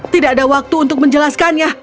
tidak ada waktu untuk menjelaskannya